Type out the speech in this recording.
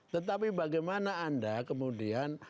tetapi bagaimana anda kemudian